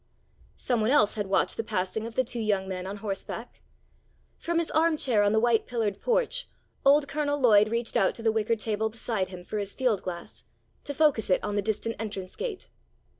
Some one else had watched the passing of the two young men on horseback. From his arm chair on the white pillared porch, old Colonel Lloyd reached out to the wicker table beside him for his field glass, to focus it on the distant entrance gate.